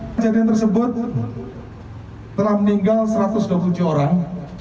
kejadian tersebut telah meninggal satu ratus dua puluh tujuh orang